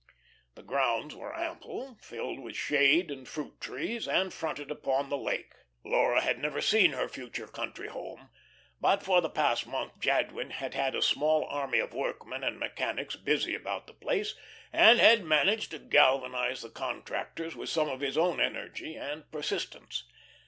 The grounds were ample, filled with shade and fruit trees, and fronted upon the lake. Laura had never seen her future country home. But for the past month Jadwin had had a small army of workmen and mechanics busy about the place, and had managed to galvanise the contractors with some of his own energy and persistence.